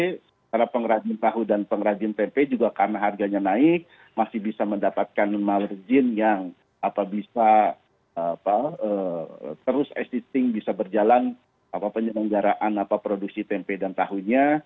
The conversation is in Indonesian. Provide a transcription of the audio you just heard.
karena pengrajin tahu dan pengrajin tempe juga karena harganya naik masih bisa mendapatkan margin yang bisa terus assisting bisa berjalan penyelenggaraan produksi tempe dan tahunya